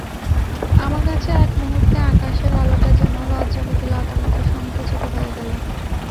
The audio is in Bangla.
আমার কাছে এক মুহূর্তে আকাশের আলোটা যেন লজ্জাবতী লতার মতো সংকুচিত হয়ে গেল।